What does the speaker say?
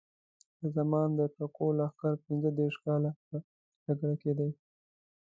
د زمان د ټکو لښکر پینځه دېرش کاله په جګړه کې دی.